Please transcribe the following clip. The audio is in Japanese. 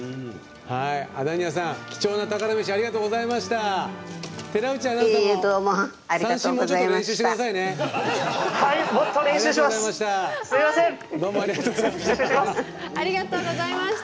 安谷屋さん、貴重な宝メシありがとうございました。